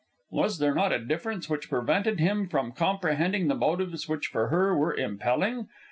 Was there not a difference which prevented him from comprehending the motives which, for her, were impelling?